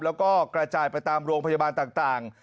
แล้วก็กระจายไปตามโรงพยาบาลต่าง